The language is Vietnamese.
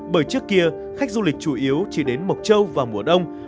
bởi trước kia khách du lịch chủ yếu chỉ đến mộc châu vào mùa đông